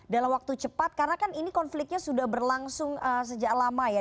dalam waktu cepat karena kan ini konfliknya sudah berlangsung sejak lama ya